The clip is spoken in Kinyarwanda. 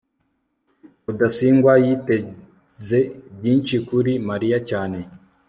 rudasingwa yiteze byinshi kuri mariya cyane